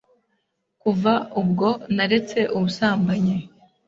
kuva ubwo naretse ubusambanyi